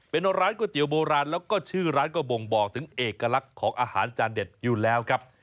เป็นร้านก๋วยเตี๋ยวโบราณแล้วก็ชื่อร้านก็บ่งบอกถึงเอกลักษณ์ของอาหารจานเด็ดอยู่แล้วครับ